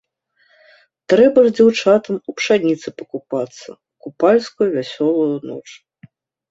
Трэба ж дзяўчатам у пшаніцы пакупацца ў купальскую вясёлую ноч.